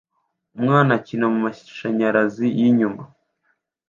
Umwana akina mumashanyarazi yinyuma